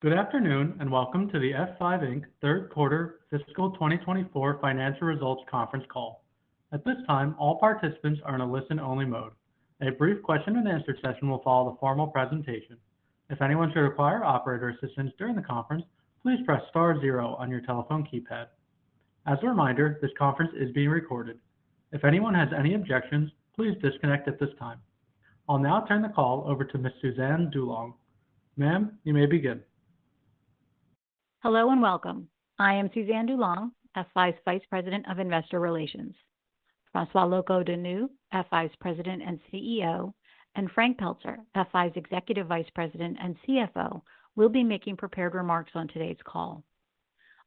Good afternoon, and welcome to the F5, Inc. third quarter fiscal 2024 financial results conference call. At this time, all participants are in a listen-only mode. A brief question and answer session will follow the formal presentation. If anyone should require operator assistance during the conference, please press star zero on your telephone keypad. As a reminder, this conference is being recorded. If anyone has any objections, please disconnect at this time. I'll now turn the call over to Ms. Suzanne DuLong. Ma'am, you may begin. Hello, and welcome. I am Suzanne DuLong, F5's Vice President of Investor Relations. François Locoh-Donou, F5's President and CEO, and Frank Pelzer, F5's Executive Vice President and CFO, will be making prepared remarks on today's call.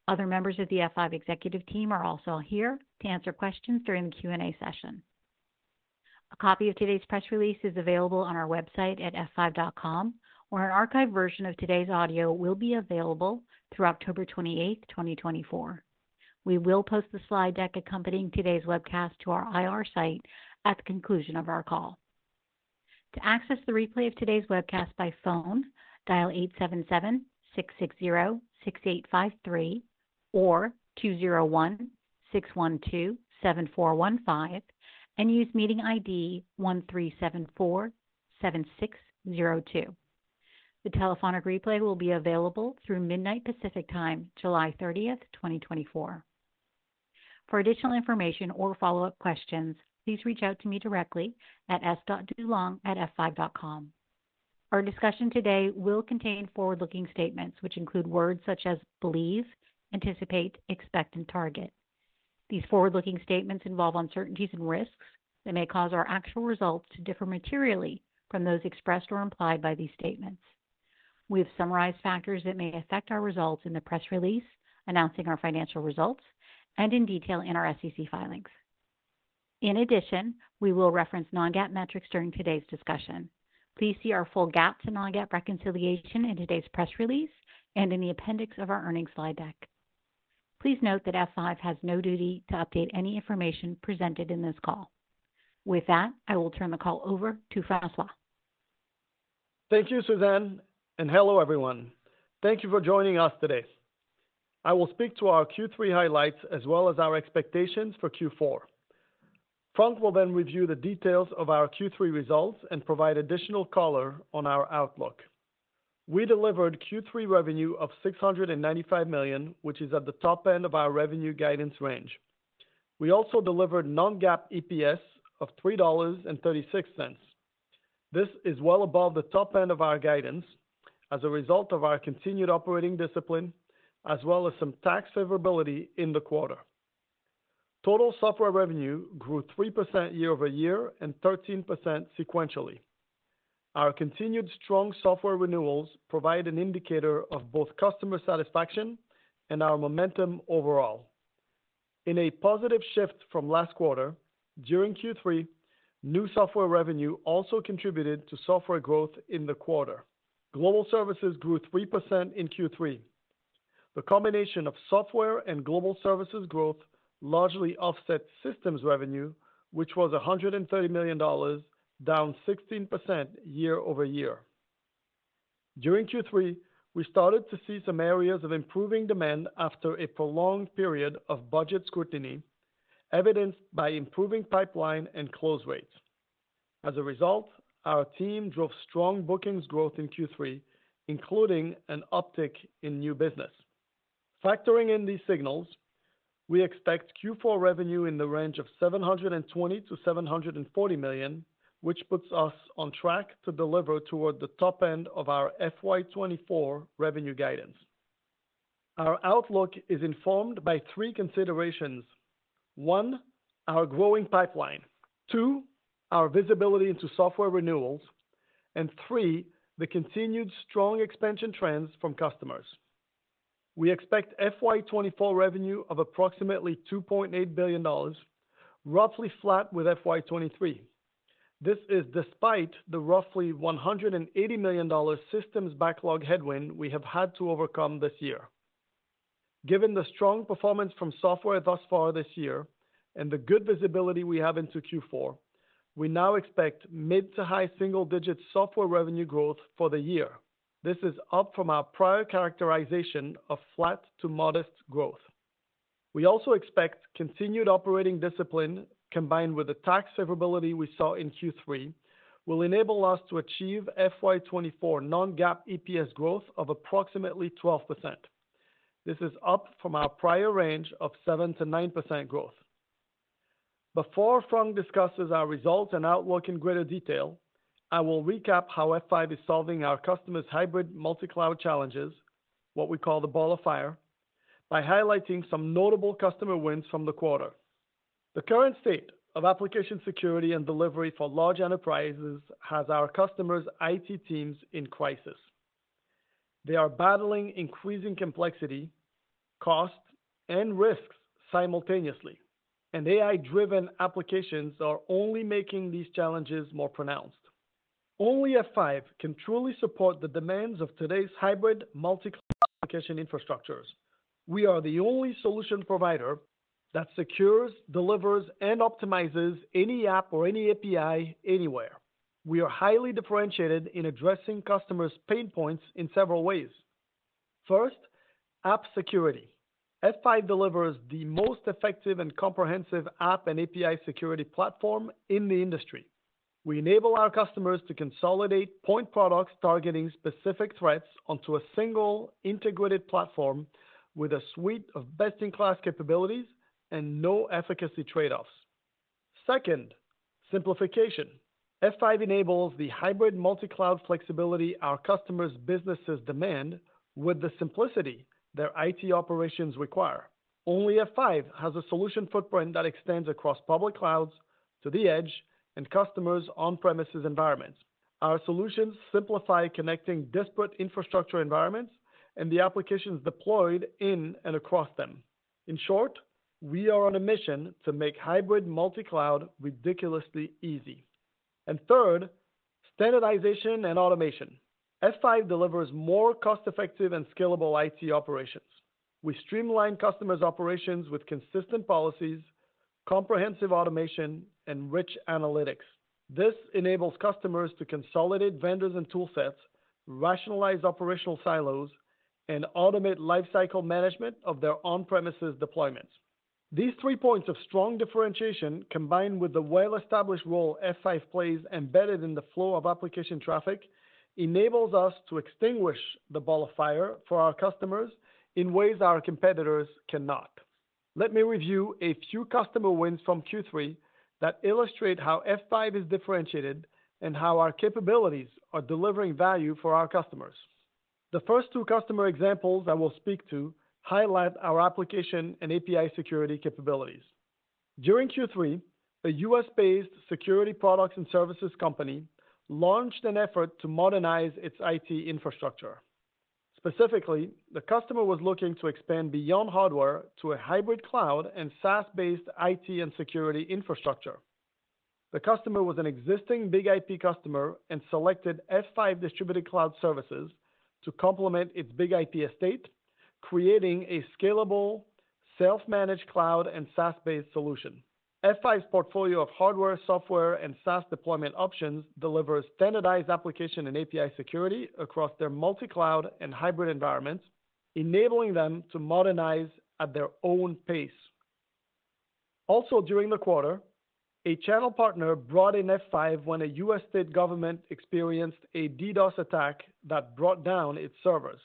Other members of the F5 executive team are also here to answer questions during the Q&A session. A copy of today's press release is available on our website at f5.com, where an archived version of today's audio will be available through October 28, 2024. We will post the slide deck accompanying today's webcast to our IR site at the conclusion of our call. To access the replay of today's webcast by phone, dial 877-660-6853 or 201-612-7415 and use meeting ID 13747602. The telephonic replay will be available through midnight Pacific Time, July 30, 2024. For additional information or follow-up questions, please reach out to me directly at s.dulong@f5.com. Our discussion today will contain forward-looking statements, which include words such as believe, anticipate, expect, and target. These forward-looking statements involve uncertainties and risks that may cause our actual results to differ materially from those expressed or implied by these statements. We have summarized factors that may affect our results in the press release announcing our financial results and in detail in our SEC filings. In addition, we will reference non-GAAP metrics during today's discussion. Please see our full GAAP to non-GAAP reconciliation in today's press release and in the appendix of our earnings slide deck. Please note that F5 has no duty to update any information presented in this call. With that, I will turn the call over to François. Thank you, Suzanne, and hello, everyone. Thank you for joining us today. I will speak to our Q3 highlights as well as our expectations for Q4. Frank will then review the details of our Q3 results and provide additional color on our outlook. We delivered Q3 revenue of $695 million, which is at the top end of our revenue guidance range. We also delivered non-GAAP EPS of $3.36. This is well above the top end of our guidance as a result of our continued operating discipline, as well as some tax favorability in the quarter. Total software revenue grew 3% year-over-year and 13% sequentially. Our continued strong software renewals provide an indicator of both customer satisfaction and our momentum overall. In a positive shift from last quarter, during Q3, new software revenue also contributed to software growth in the quarter. Global services grew 3% in Q3. The combination of software and global services growth largely offset systems revenue, which was $130 million, down 16% year-over-year. During Q3, we started to see some areas of improving demand after a prolonged period of budget scrutiny, evidenced by improving pipeline and close rates. As a result, our team drove strong bookings growth in Q3, including an uptick in new business. Factoring in these signals, we expect Q4 revenue in the range of $720 million-$740 million, which puts us on track to deliver toward the top end of our FY 2024 revenue guidance. Our outlook is informed by three considerations: One, our growing pipeline, two, our visibility into software renewals, and three, the continued strong expansion trends from customers. We expect FY 2024 revenue of approximately $2.8 billion, roughly flat with FY 2023. This is despite the roughly $180 million systems backlog headwind we have had to overcome this year. Given the strong performance from software thus far this year and the good visibility we have into Q4, we now expect mid to high single-digit software revenue growth for the year. This is up from our prior characterization of flat to modest growth. We also expect continued operating discipline, combined with the tax favorability we saw in Q3, will enable us to achieve FY 2024 non-GAAP EPS growth of approximately 12%. This is up from our prior range of 7%-9% growth. Before Frank discusses our results and outlook in greater detail, I will recap how F5 is solving our customers' hybrid multi-cloud challenges, what we call the ball of yarn, by highlighting some notable customer wins from the quarter. The current state of application security and delivery for large enterprises has our customers' IT teams in crisis. They are battling increasing complexity, cost, and risks simultaneously, and AI-driven applications are only making these challenges more pronounced. Only F5 can truly support the demands of today's hybrid multi-cloud application infrastructures.... We are the only solution provider that secures, delivers, and optimizes any app or any API anywhere. We are highly differentiated in addressing customers' pain points in several ways. First, app security. F5 delivers the most effective and comprehensive app and API security platform in the industry. We enable our customers to consolidate point products targeting specific threats onto a single integrated platform with a suite of best-in-class capabilities and no efficacy trade-offs. Second, simplification. F5 enables the hybrid multi-cloud flexibility our customers' businesses demand with the simplicity their IT operations require. Only F5 has a solution footprint that extends across public clouds to the edge and customers' on-premises environments. Our solutions simplify connecting disparate infrastructure environments and the applications deployed in and across them. In short, we are on a mission to make hybrid multi-cloud ridiculously easy. And third, standardization and automation. F5 delivers more cost-effective and scalable IT operations. We streamline customers' operations with consistent policies, comprehensive automation, and rich analytics. This enables customers to consolidate vendors and tool sets, rationalize operational silos, and automate lifecycle management of their on-premises deployments. These three points of strong differentiation, combined with the well-established role F5 plays embedded in the flow of application traffic, enables us to extinguish the ball of fire for our customers in ways our competitors cannot. Let me review a few customer wins from Q3 that illustrate how F5 is differentiated and how our capabilities are delivering value for our customers. The first two customer examples I will speak to highlight our application and API security capabilities. During Q3, a U.S.-based security products and services company launched an effort to modernize its IT infrastructure. Specifically, the customer was looking to expand beyond hardware to a hybrid cloud and SaaS-based IT and security infrastructure. The customer was an existing BIG-IP customer and selected F5 Distributed Cloud Services to complement its BIG-IP estate, creating a scalable, self-managed cloud and SaaS-based solution. F5's portfolio of hardware, software, and SaaS deployment options delivers standardized application and API security across their multi-cloud and hybrid environments, enabling them to modernize at their own pace. Also, during the quarter, a channel partner brought in F5 when a U.S. state government experienced a DDoS attack that brought down its servers.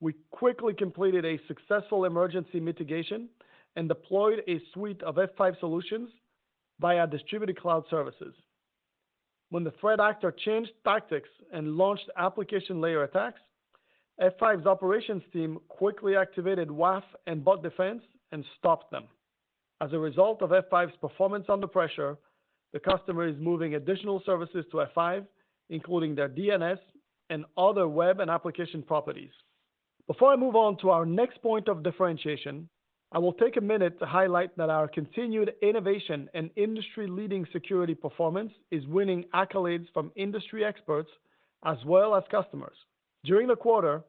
We quickly completed a successful emergency mitigation and deployed a suite of F5 solutions via Distributed Cloud services. When the threat actor changed tactics and launched application layer attacks, F5's operations team quickly activated WAF and bot defense and stopped them. As a result of F5's performance under pressure, the customer is moving additional services to F5, including their DNS and other web and application properties. Before I move on to our next point of differentiation, I will take a minute to highlight that our continued innovation and industry-leading security performance is winning accolades from industry experts as well as customers. During the quarter,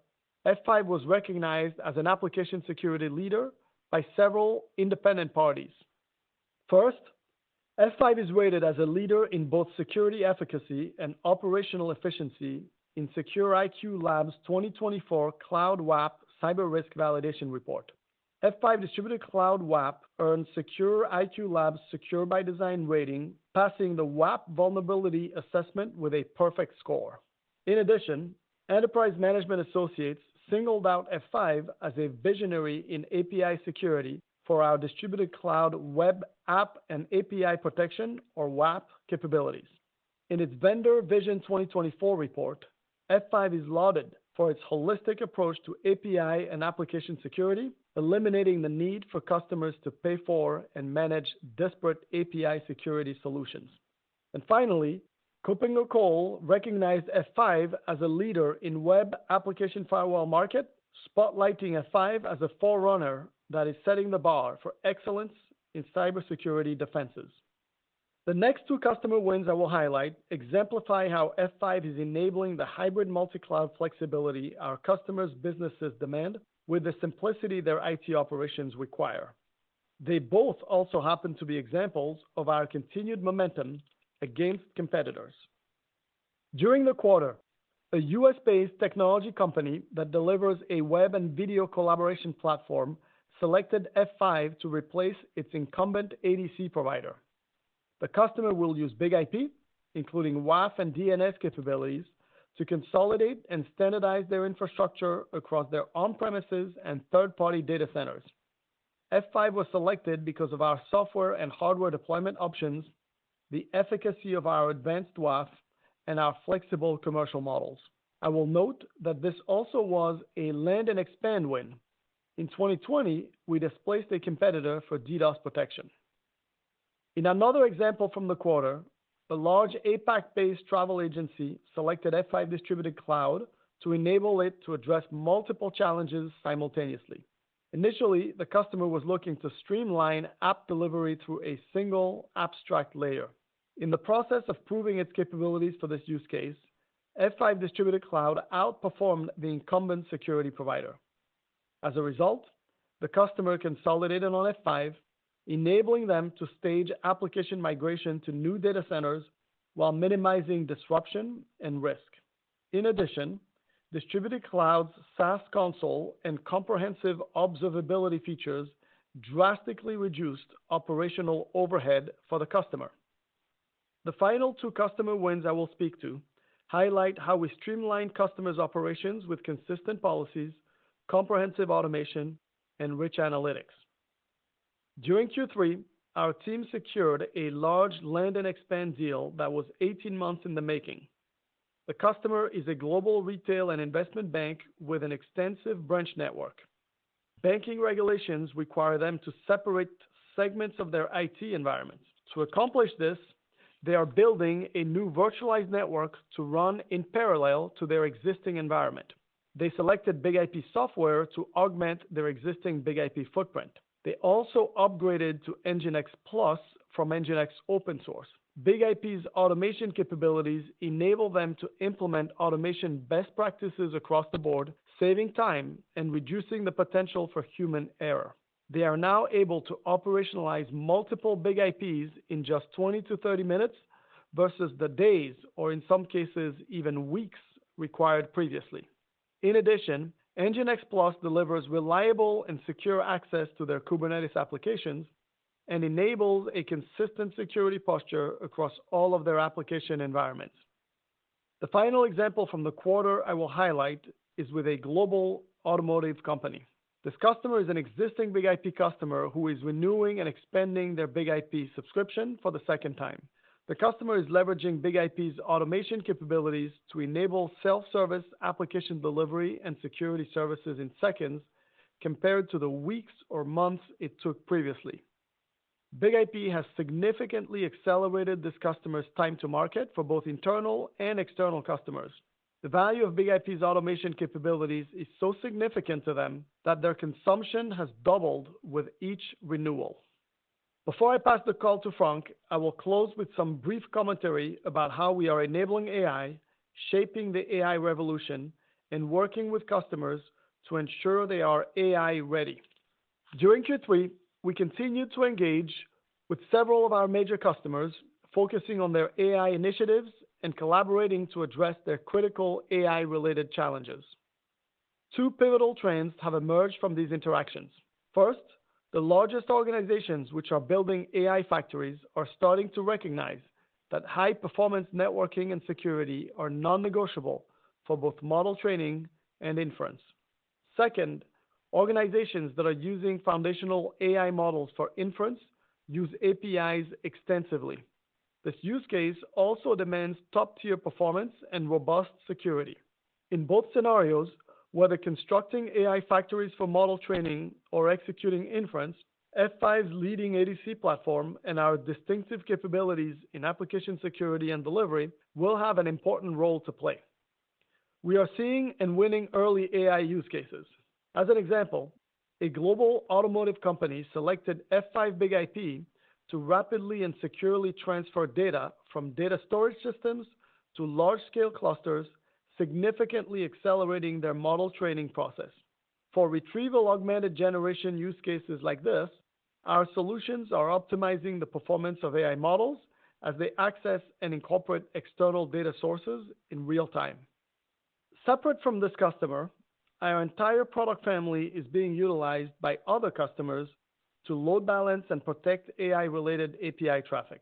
F5 was recognized as an application security leader by several independent parties. First, F5 is rated as a leader in both security efficacy and operational efficiency in SecureIQLab's 2024 Cloud WAF Cyber Risk Validation Report. F5 Distributed Cloud WAF earned SecureIQLab's Secure by Design rating, passing the WAF vulnerability assessment with a perfect score. In addition, Enterprise Management Associates singled out F5 as a visionary in API security for our distributed cloud web app and API protection or WAAP capabilities. In its Vendor Vision 2024 report, F5 is lauded for its holistic approach to API and application security, eliminating the need for customers to pay for and manage disparate API security solutions. Finally, KuppingerCole recognized F5 as a leader in web application firewall market, spotlighting F5 as a forerunner that is setting the bar for excellence in cybersecurity defenses. The next two customer wins I will highlight exemplify how F5 is enabling the hybrid multi-cloud flexibility our customers' businesses demand, with the simplicity their IT operations require. They both also happen to be examples of our continued momentum against competitors. During the quarter, a U.S.-based technology company that delivers a web and video collaboration platform selected F5 to replace its incumbent ADC provider. The customer will use BIG-IP, including WAF and DNS capabilities, to consolidate and standardize their infrastructure across their on-premises and third-party data centers. F5 was selected because of our software and hardware deployment options, the efficacy of our advanced WAF, and our flexible commercial models. I will note that this also was a land and expand win. In 2020, we displaced a competitor for DDoS protection. In another example from the quarter, a large APAC-based travel agency selected F5 Distributed Cloud to enable it to address multiple challenges simultaneously. Initially, the customer was looking to streamline app delivery through a single abstract layer. In the process of proving its capabilities for this use case, F5 Distributed Cloud outperformed the incumbent security provider. As a result, the customer consolidated on F5, enabling them to stage application migration to new data centers while minimizing disruption and risk. In addition, Distributed Cloud's SaaS console and comprehensive observability features drastically reduced operational overhead for the customer. The final two customer wins I will speak to highlight how we streamlined customers' operations with consistent policies, comprehensive automation, and rich analytics. During Q3, our team secured a large land and expand deal that was 18 months in the making. The customer is a global retail and investment bank with an extensive branch network. Banking regulations require them to separate segments of their IT environment. To accomplish this, they are building a new virtualized network to run in parallel to their existing environment. They selected BIG-IP software to augment their existing BIG-IP footprint. They also upgraded to NGINX Plus from NGINX Open Source. BIG-IP's automation capabilities enable them to implement automation best practices across the board, saving time and reducing the potential for human error. They are now able to operationalize multiple BIG-IPs in just 20-30 minutes, versus the days, or in some cases, even weeks, required previously. In addition, NGINX Plus delivers reliable and secure access to their Kubernetes applications and enables a consistent security posture across all of their application environments. The final example from the quarter I will highlight is with a global automotive company. This customer is an existing BIG-IP customer who is renewing and expanding their BIG-IP subscription for the second time. The customer is leveraging BIG-IP's automation capabilities to enable self-service application delivery and security services in seconds, compared to the weeks or months it took previously. BIG-IP has significantly accelerated this customer's time to market for both internal and external customers. The value of BIG-IP's automation capabilities is so significant to them that their consumption has doubled with each renewal. Before I pass the call to Frank, I will close with some brief commentary about how we are enabling AI, shaping the AI revolution, and working with customers to ensure they are AI-ready. During Q3, we continued to engage with several of our major customers, focusing on their AI initiatives and collaborating to address their critical AI-related challenges. Two pivotal trends have emerged from these interactions. First, the largest organizations, which are building AI factories, are starting to recognize that high-performance networking and security are non-negotiable for both model training and inference. Second, organizations that are using foundational AI models for inference use APIs extensively. This use case also demands top-tier performance and robust security. In both scenarios, whether constructing AI factories for model training or executing inference, F5's leading ADC platform and our distinctive capabilities in application security and delivery will have an important role to play. We are seeing and winning early AI use cases. As an example, a global automotive company selected F5 BIG-IP to rapidly and securely transfer data from data storage systems to large-scale clusters, significantly accelerating their model training process. For retrieval augmented generation use cases like this, our solutions are optimizing the performance of AI models as they access and incorporate external data sources in real time. Separate from this customer, our entire product family is being utilized by other customers to load balance and protect AI-related API traffic.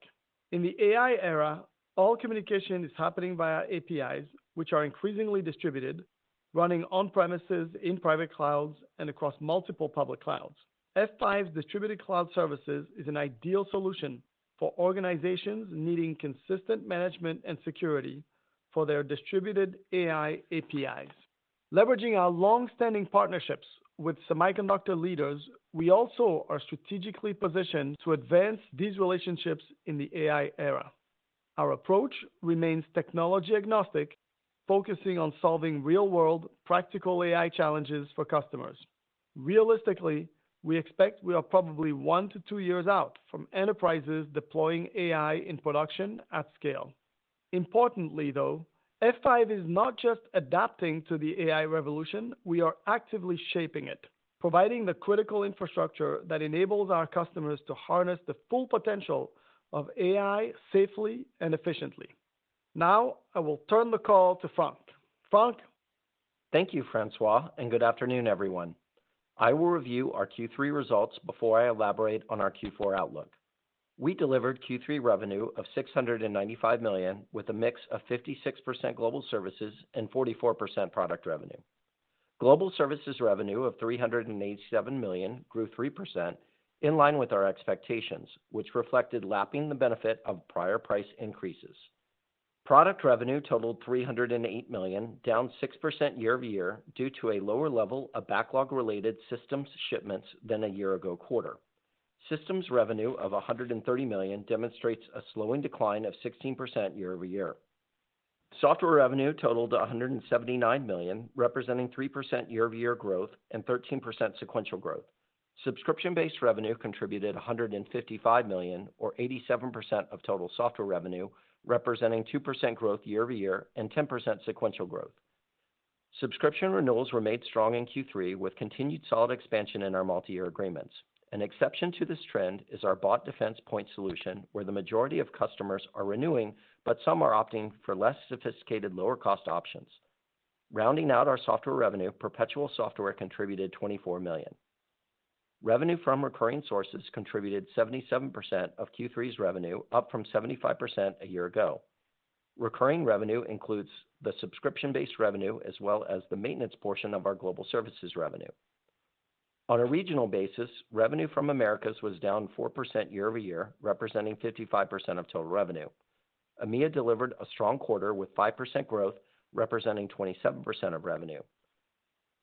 In the AI era, all communication is happening via APIs, which are increasingly distributed, running on premises, in private clouds, and across multiple public clouds. F5's Distributed Cloud Services is an ideal solution for organizations needing consistent management and security for their distributed AI APIs. Leveraging our long-standing partnerships with semiconductor leaders, we also are strategically positioned to advance these relationships in the AI era. Our approach remains technology agnostic, focusing on solving real-world practical AI challenges for customers. Realistically, we expect we are probably one to two years out from enterprises deploying AI in production at scale. Importantly, though, F5 is not just adapting to the AI revolution, we are actively shaping it, providing the critical infrastructure that enables our customers to harness the full potential of AI safely and efficiently. Now, I will turn the call to Frank. Frank? Thank you, François, and good afternoon, everyone. I will review our Q3 results before I elaborate on our Q4 outlook. We delivered Q3 revenue of $695 million, with a mix of 56% global services and 44% product revenue. Global services revenue of $387 million grew 3%, in line with our expectations, which reflected lapping the benefit of prior price increases. Product revenue totaled $308 million, down 6% year-over-year, due to a lower level of backlog-related systems shipments than a year ago quarter. Systems revenue of $130 million demonstrates a slowing decline of 16% year-over-year. Software revenue totaled $179 million, representing 3% year-over-year growth and 13% sequential growth.... Subscription-based revenue contributed $155 million, or 87% of total software revenue, representing 2% growth year-over-year and 10% sequential growth. Subscription renewals remained strong in Q3, with continued solid expansion in our multi-year agreements. An exception to this trend is our Bot Defense solution, where the majority of customers are renewing, but some are opting for less sophisticated, lower-cost options. Rounding out our software revenue, perpetual software contributed $24 million. Revenue from recurring sources contributed 77% of Q3's revenue, up from 75% a year ago. Recurring revenue includes the subscription-based revenue, as well as the maintenance portion of our global services revenue. On a regional basis, revenue from Americas was down 4% year-over-year, representing 55% of total revenue. EMEA delivered a strong quarter, with 5% growth, representing 27% of revenue.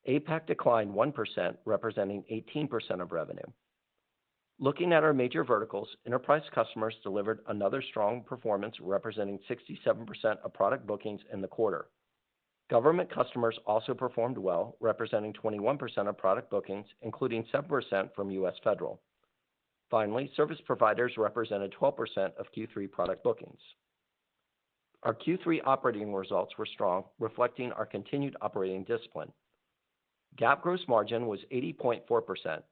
APAC declined 1%, representing 18% of revenue. Looking at our major verticals, enterprise customers delivered another strong performance, representing 67% of product bookings in the quarter. Government customers also performed well, representing 21% of product bookings, including 7% from U.S. Federal. Finally, service providers represented 12% of Q3 product bookings. Our Q3 operating results were strong, reflecting our continued operating discipline. GAAP gross margin was 80.4%.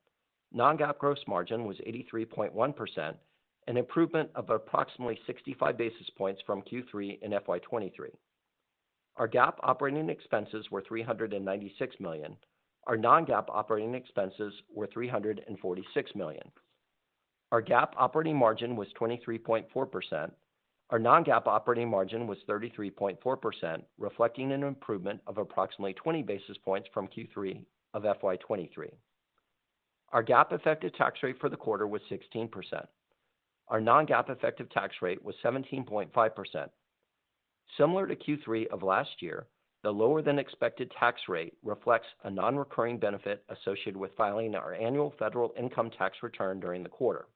Non-GAAP gross margin was 83.1%, an improvement of approximately 65 basis points from Q3 in FY 2023. Our GAAP operating expenses were $396 million. Our non-GAAP operating expenses were $346 million. Our GAAP operating margin was 23.4%. Our non-GAAP operating margin was 33.4%, reflecting an improvement of approximately 20 basis points from Q3 of FY 2023. Our GAAP effective tax rate for the quarter was 16%. Our non-GAAP effective tax rate was 17.5%. Similar to Q3 of last year, the lower-than-expected tax rate reflects a non-recurring benefit associated with filing our annual federal income tax return during the quarter.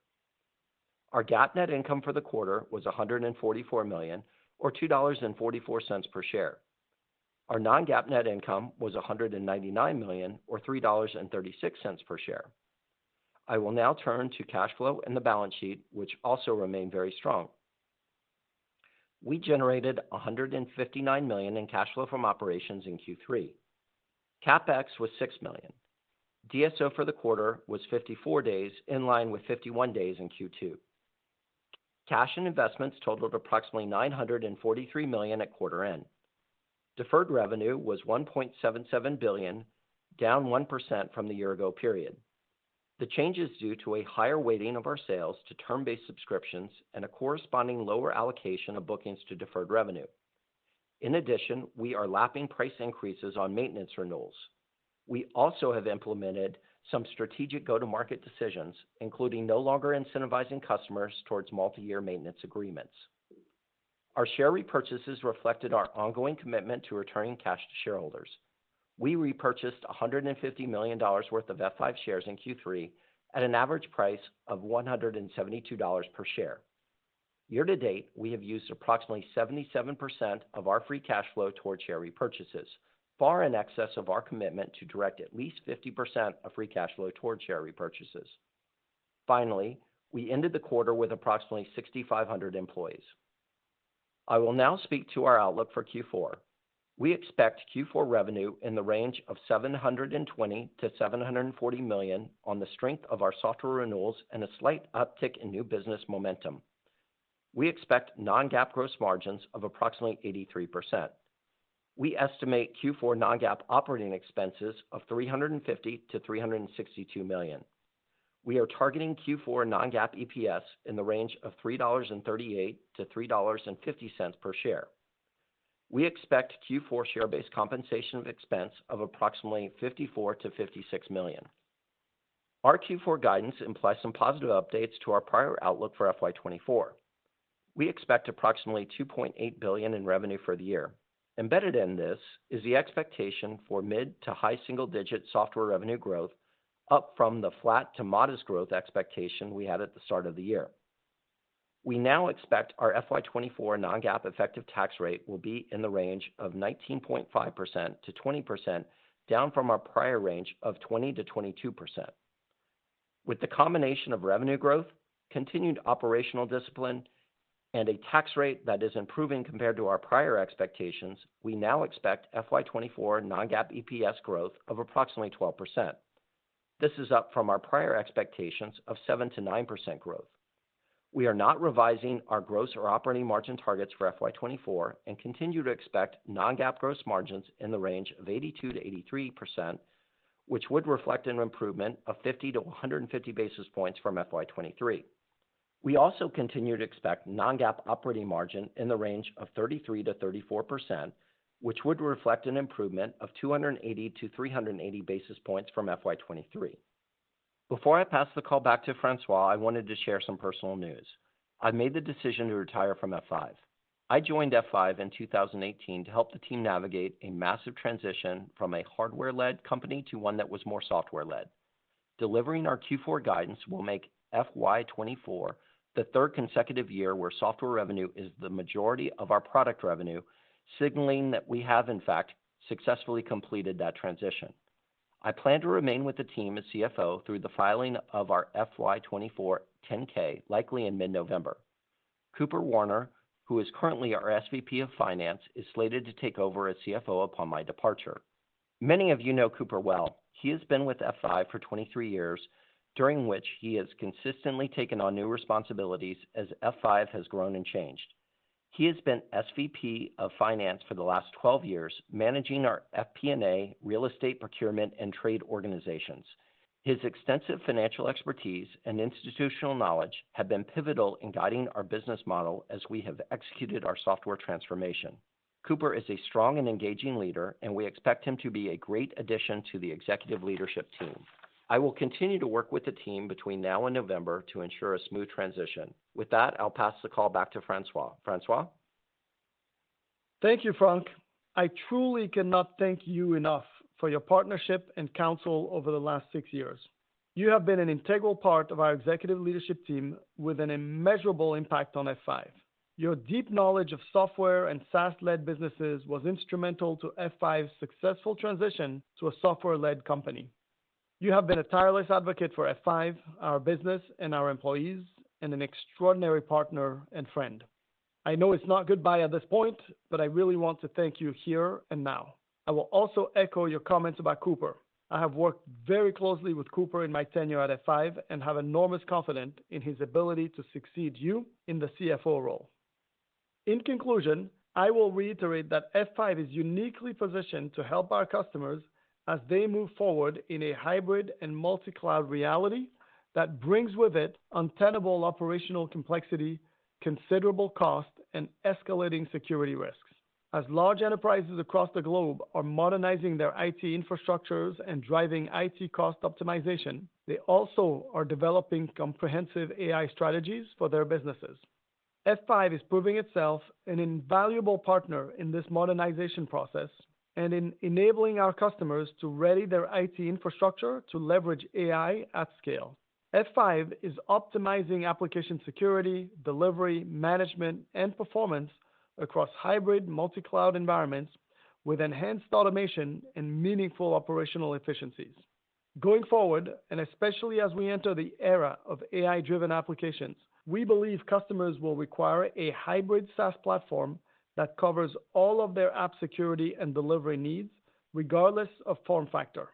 Our GAAP net income for the quarter was $144 million, or $2.44 per share. Our non-GAAP net income was $199 million, or $3.36 per share. I will now turn to cash flow and the balance sheet, which also remain very strong. We generated $159 million in cash flow from operations in Q3. CapEx was $6 million. DSO for the quarter was 54 days, in line with 51 days in Q2. Cash and investments totaled approximately $943 million at quarter end. Deferred revenue was $1.77 billion, down 1% from the year ago period. The change is due to a higher weighting of our sales to term-based subscriptions and a corresponding lower allocation of bookings to deferred revenue. In addition, we are lapping price increases on maintenance renewals. We also have implemented some strategic go-to-market decisions, including no longer incentivizing customers towards multi-year maintenance agreements. Our share repurchases reflected our ongoing commitment to returning cash to shareholders. We repurchased $150 million worth of F5 shares in Q3 at an average price of $172 per share. Year to date, we have used approximately 77% of our free cash flow toward share repurchases, far in excess of our commitment to direct at least 50% of free cash flow toward share repurchases. Finally, we ended the quarter with approximately 6,500 employees. I will now speak to our outlook for Q4. We expect Q4 revenue in the range of $720 million-$740 million on the strength of our software renewals and a slight uptick in new business momentum. We expect non-GAAP gross margins of approximately 83%. We estimate Q4 non-GAAP operating expenses of $350 million-$362 million. We are targeting Q4 non-GAAP EPS in the range of $3.38-$3.50 per share. We expect Q4 share-based compensation of expense of approximately $54 million-$56 million. Our Q4 guidance implies some positive updates to our prior outlook for FY 2024. We expect approximately $2.8 billion in revenue for the year. Embedded in this is the expectation for mid to high single-digit software revenue growth, up from the flat to modest growth expectation we had at the start of the year. We now expect our FY 2024 non-GAAP effective tax rate will be in the range of 19.5%-20%, down from our prior range of 20%-22%. With the combination of revenue growth, continued operational discipline, and a tax rate that is improving compared to our prior expectations, we now expect FY 2024 non-GAAP EPS growth of approximately 12%. This is up from our prior expectations of 7%-9% growth. We are not revising our gross or operating margin targets for FY 2024 and continue to expect non-GAAP gross margins in the range of 82%-83%, which would reflect an improvement of 50-150 basis points from FY 2023. We also continue to expect non-GAAP operating margin in the range of 33%-34%, which would reflect an improvement of 280-380 basis points from FY 2023. Before I pass the call back to François, I wanted to share some personal news. I've made the decision to retire from F5. I joined F5 in 2018 to help the team navigate a massive transition from a hardware-led company to one that was more software-led. Delivering our Q4 guidance will make FY 2024 the third consecutive year where software revenue is the majority of our product revenue, signaling that we have in fact, successfully completed that transition. I plan to remain with the team as CFO through the filing of our FY 2024 10-K, likely in mid-November.... Cooper Warner, who is currently our SVP of Finance, is slated to take over as CFO upon my departure. Many of you know Cooper well. He has been with F5 for 23 years, during which he has consistently taken on new responsibilities as F5 has grown and changed. He has been SVP of Finance for the last 12 years, managing our FP&A, real estate procurement, and trade organizations. His extensive financial expertise and institutional knowledge have been pivotal in guiding our business model as we have executed our software transformation. Cooper is a strong and engaging leader, and we expect him to be a great addition to the executive leadership team. I will continue to work with the team between now and November to ensure a smooth transition. With that, I'll pass the call back to François. François? Thank you, Frank. I truly cannot thank you enough for your partnership and counsel over the last six years. You have been an integral part of our executive leadership team with an immeasurable impact on F5. Your deep knowledge of software and SaaS-led businesses was instrumental to F5's successful transition to a software-led company. You have been a tireless advocate for F5, our business, and our employees, and an extraordinary partner and friend. I know it's not goodbye at this point, but I really want to thank you here and now. I will also echo your comments about Cooper. I have worked very closely with Cooper in my tenure at F5 and have enormous confidence in his ability to succeed you in the CFO role. In conclusion, I will reiterate that F5 is uniquely positioned to help our customers as they move forward in a hybrid and multi-cloud reality that brings with it untenable operational complexity, considerable cost, and escalating security risks. As large enterprises across the globe are modernizing their IT infrastructures and driving IT cost optimization, they also are developing comprehensive AI strategies for their businesses. F5 is proving itself an invaluable partner in this modernization process and in enabling our customers to ready their IT infrastructure to leverage AI at scale. F5 is optimizing application security, delivery, management, and performance across hybrid multi-cloud environments with enhanced automation and meaningful operational efficiencies. Going forward, and especially as we enter the era of AI-driven applications, we believe customers will require a hybrid SaaS platform that covers all of their app security and delivery needs, regardless of form factor.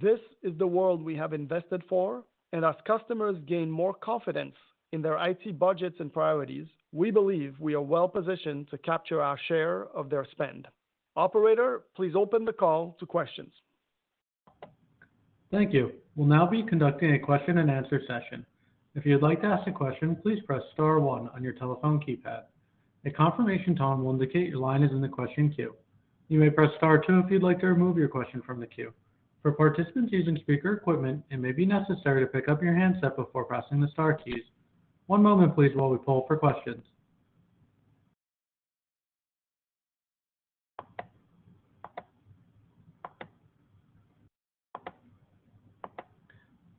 This is the world we have invested for, and as customers gain more confidence in their IT budgets and priorities, we believe we are well positioned to capture our share of their spend. Operator, please open the call to questions. Thank you. We'll now be conducting a question-and-answer session. If you'd like to ask a question, please press star one on your telephone keypad. A confirmation tone will indicate your line is in the question queue. You may press star two if you'd like to remove your question from the queue. For participants using speaker equipment, it may be necessary to pick up your handset before pressing the star keys. One moment, please, while we poll for questions.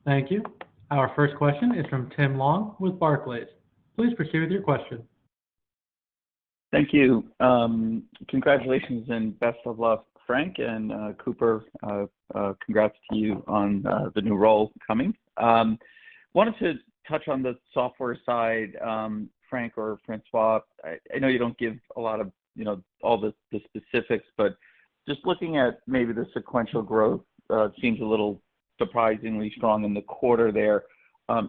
Thank you. Our first question is from Tim Long with Barclays. Please proceed with your question. Thank you. Congratulations and best of luck, Frank, and, Cooper, congrats to you on the new role coming. Wanted to touch on the software side, Frank or François. I know you don't give a lot of, you know, all the specifics, but just looking at maybe the sequential growth, seems a little surprisingly strong in the quarter there.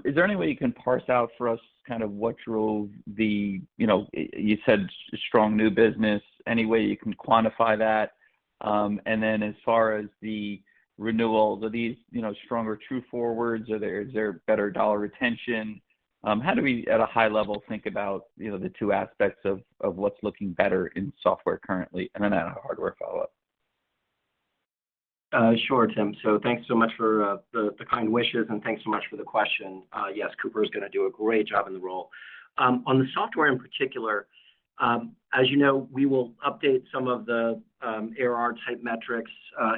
Is there any way you can parse out for us kind of what drove the... You know, you said strong new business. Any way you can quantify that? And then as far as the renewals, are these, you know, stronger true forwards? Is there better dollar retention? How do we, at a high level, think about, you know, the two aspects of what's looking better in software currently? And then I have a hardware follow-up. Sure, Tim. So thanks so much for the kind wishes, and thanks so much for the question. Yes, Cooper is gonna do a great job in the role. On the software in particular, as you know, we will update some of the ARR type metrics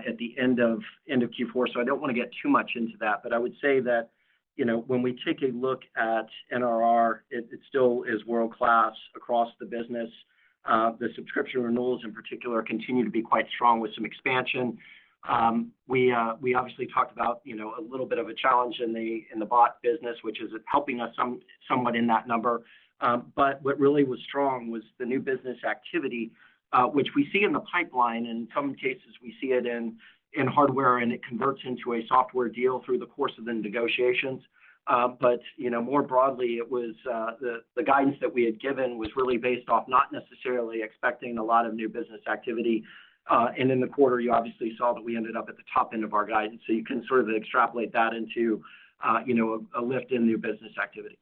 at the end of Q4, so I don't want to get too much into that. But I would say that, you know, when we take a look at NRR, it still is world-class across the business. The subscription renewals, in particular, continue to be quite strong with some expansion. We obviously talked about, you know, a little bit of a challenge in the bot business, which is helping us somewhat in that number. But what really was strong was the new business activity, which we see in the pipeline. In some cases, we see it in hardware, and it converts into a software deal through the course of the negotiations. But, you know, more broadly, it was the guidance that we had given was really based off not necessarily expecting a lot of new business activity. And in the quarter, you obviously saw that we ended up at the top end of our guidance, so you can sort of extrapolate that into, you know, a lift in new business activity.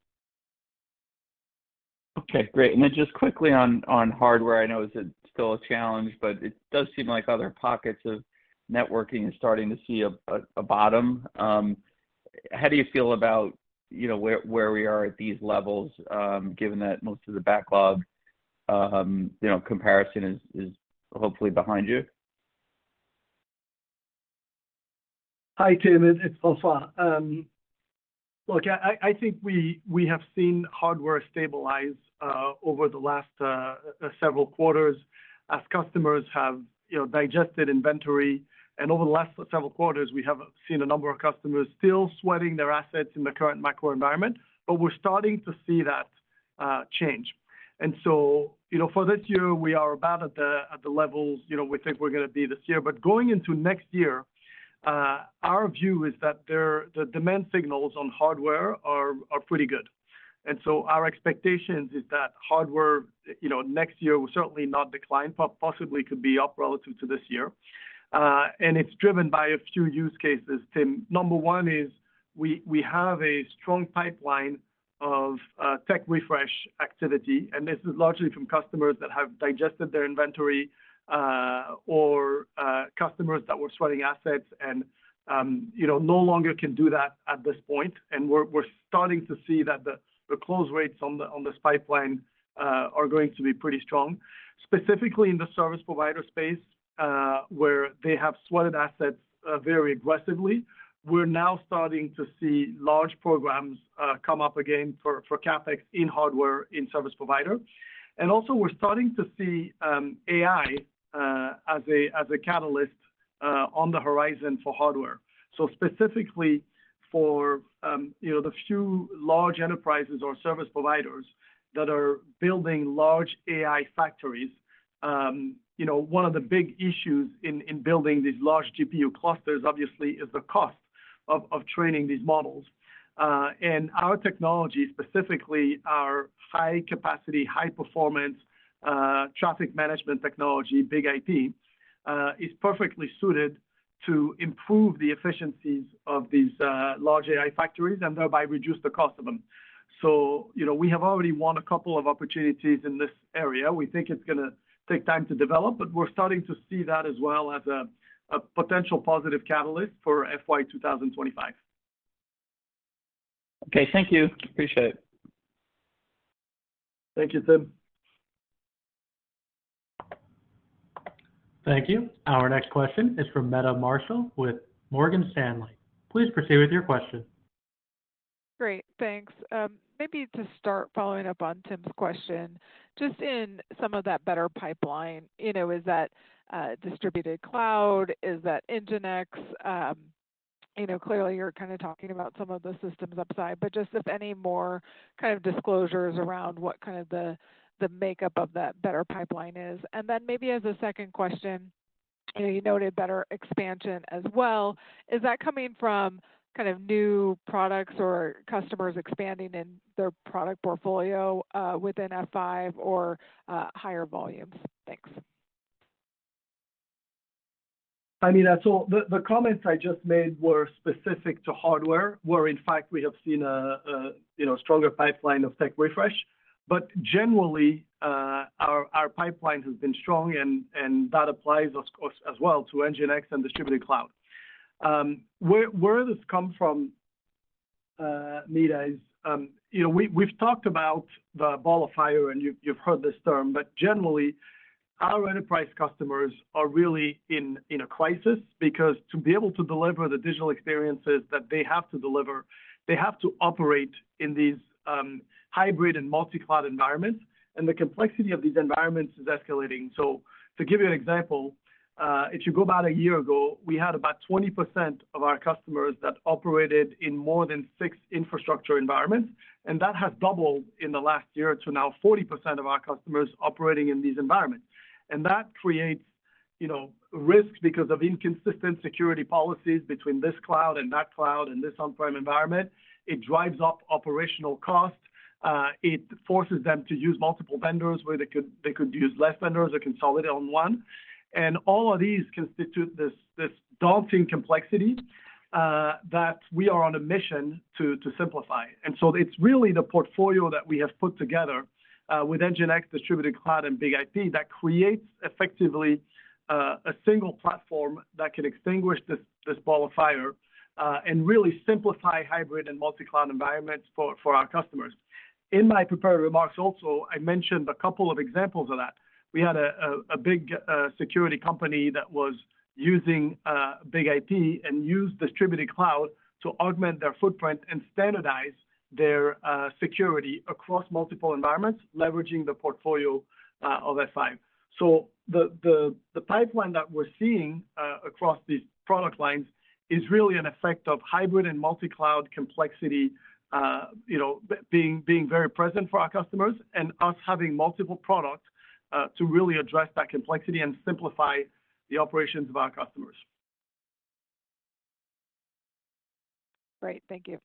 Okay, great. And then just quickly on hardware, I know it's still a challenge, but it does seem like other pockets of networking are starting to see a bottom. How do you feel about, you know, where we are at these levels, given that most of the backlog, you know, comparison is hopefully behind you? Hi, Tim, it's François. Look, I think we have seen hardware stabilize over the last several quarters as customers have, you know, digested inventory. And over the last several quarters, we have seen a number of customers still sweating their assets in the current macro environment. But we're starting to see that-... change. And so, you know, for this year, we are about at the, at the levels, you know, we think we're gonna be this year. But going into next year, our view is that there-- the demand signals on hardware are, are pretty good. And so our expectations is that hardware, you know, next year will certainly not decline, possibly could be up relative to this year. And it's driven by a few use cases, Tim. Number one is, we have a strong pipeline of tech refresh activity, and this is largely from customers that have digested their inventory, or customers that were sweating assets and, you know, no longer can do that at this point. And we're starting to see that the close rates on this pipeline are going to be pretty strong. Specifically in the service provider space, where they have sweated assets very aggressively. We're now starting to see large programs come up again for CapEx in hardware, in service provider. And also, we're starting to see AI as a catalyst on the horizon for hardware. So specifically for you know, the few large enterprises or service providers that are building large AI factories, you know, one of the big issues in building these large GPU clusters, obviously, is the cost of training these models. And our technology, specifically our high capacity, high performance traffic management technology, BIG-IP, is perfectly suited to improve the efficiencies of these large AI factories and thereby reduce the cost of them. So, you know, we have already won a couple of opportunities in this area. We think it's gonna take time to develop, but we're starting to see that as well as a potential positive catalyst for FY 2025. Okay, thank you. Appreciate it. Thank you, Tim. Thank you. Our next question is from Meta Marshall with Morgan Stanley. Please proceed with your question. Great, thanks. Maybe to start following up on Tim's question, just in some of that better pipeline, you know, is that distributed cloud? Is that NGINX? You know, clearly you're kind of talking about some of the systems upside, but just if any more kind of disclosures around what kind of the makeup of that better pipeline is. And then maybe as a second question, you know, you noted better expansion as well. Is that coming from kind of new products or customers expanding in their product portfolio within F5 or higher volumes? Thanks. I mean, that's all the comments I just made were specific to hardware, where in fact, we have seen a stronger pipeline of tech refresh, you know. But generally, our pipeline has been strong, and that applies of course, as well to NGINX and distributed cloud. Where this come from, Mita is, you know, we've talked about the ball of fire, and you've heard this term, but generally, our enterprise customers are really in a crisis because to be able to deliver the digital experiences that they have to deliver, they have to operate in these hybrid and multi-cloud environments, and the complexity of these environments is escalating. So to give you an example, if you go back a year ago, we had about 20% of our customers that operated in more than 6 infrastructure environments, and that has doubled in the last year to now 40% of our customers operating in these environments. And that creates, you know, risks because of inconsistent security policies between this cloud and that cloud and this on-prem environment. It drives up operational costs, it forces them to use multiple vendors, where they could use less vendors or consolidate on one. And all of these constitute this daunting complexity that we are on a mission to simplify. And so it's really the portfolio that we have put together, with NGINX, Distributed Cloud, and BIG-IP, that creates effectively, a single platform that can extinguish this, this ball of fire, and really simplify hybrid and multi-cloud environments for our customers. In my prepared remarks also, I mentioned a couple of examples of that. We had a big security company that was using BIG-IP and used Distributed Cloud to augment their footprint and standardize their security across multiple environments, leveraging the portfolio of F5. So the pipeline that we're seeing across these product lines is really an effect of hybrid and multi-cloud complexity, you know, being very present for our customers and us having multiple products to really address that complexity and simplify the operations of our customers. Great. Thank you.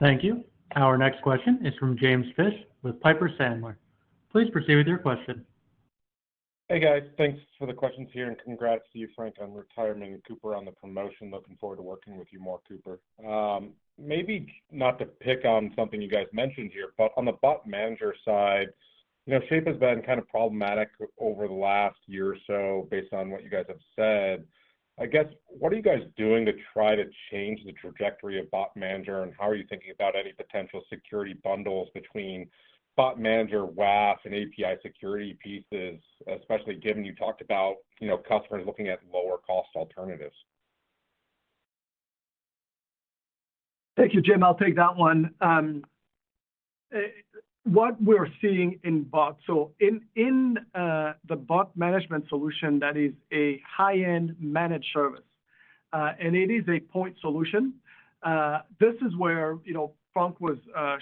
Thank you. Our next question is from James Fish with Piper Sandler. Please proceed with your question. Hey, guys. Thanks for the questions here, and congrats to you, Frank, on retirement, and Cooper on the promotion. Looking forward to working with you more, Cooper. Maybe not to pick on something you guys mentioned here, but on the Bot Manager side, you know, Shape has been kind of problematic over the last year or so based on what you guys have said. I guess, what are you guys doing to try to change the trajectory of Bot Manager, and how are you thinking about any potential security bundles between Bot Manager, WAF, and API security pieces, especially given you talked about, you know, customers looking at lower cost alternatives? Thank you, Jim. I'll take that one. What we're seeing in BOT, so in the BOT management solution, that is a high-end managed service, and it is a point solution. This is where, you know, Frank was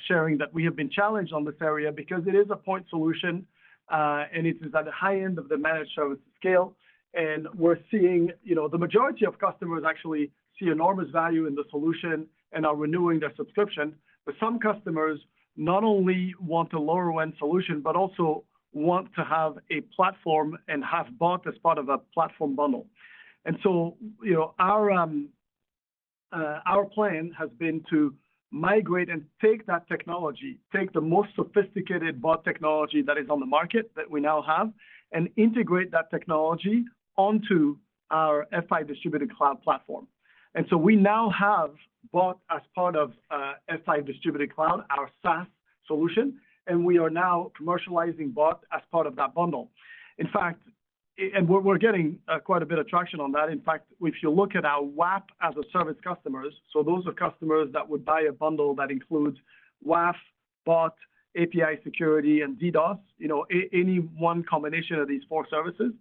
sharing that we have been challenged on this area because it is a point solution, and it is at the high end of the managed service scale. And we're seeing, you know, the majority of customers actually see enormous value in the solution and are renewing their subscription. But some customers not only want a lower-end solution, but also want to have a platform and have BOT as part of a platform bundle. And so, you know, our plan has been to migrate and take that technology, take the most sophisticated bot technology that is on the market, that we now have, and integrate that technology onto our F5 Distributed Cloud platform. And so we now have bot as part of F5 Distributed Cloud, our SaaS solution, and we are now commercializing bot as part of that bundle. In fact, and we're getting quite a bit of traction on that. In fact, if you look at our WAF as a Service customers, so those are customers that would buy a bundle that includes WAF, BOT, API security, and DDoS, you know, any one combination of these four services,